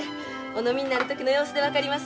お飲みになる時の様子で分かりますわ。